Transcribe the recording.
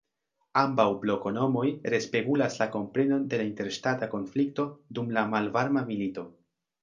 Ambaŭ "bloko"-nomoj respegulas la komprenon de la interŝtata konflikto dum la Malvarma Milito.